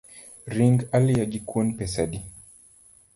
Ring aliya gi kuon pesa adi?